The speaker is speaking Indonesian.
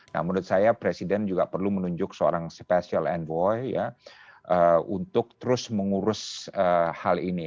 nah menurut saya presiden juga perlu menunjuk seorang special envoy untuk terus mengurus hal ini